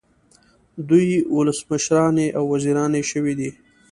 دوی ولسمشرانې او وزیرانې شوې دي.